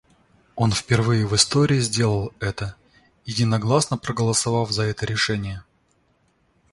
Он впервые в истории сделал это, единогласно проголосовав за это решение.